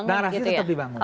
narasinya tetap di bawah